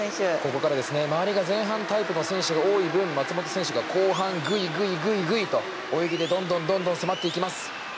周りが前半タイプの選手が多い分、松元選手が後半、ぐいぐいと泳ぎでどんどん迫っていきます。